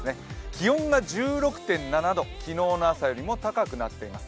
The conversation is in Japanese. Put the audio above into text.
気温が１６．７度、昨日の朝よりも高くなっています。